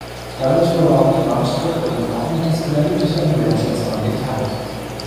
Dadurch wurde auch die Bahnstrecke unterbrochen und das Gelände durch eine Lärmschutzwand geteilt.